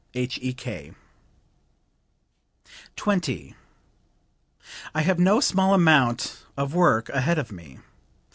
H.E.K.]) 20. "I have no small amount of work ahead of me.